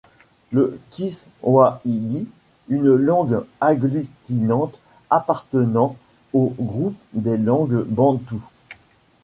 Le kiswahili une langue agglutinante appartenant au groupe des langues bantoues.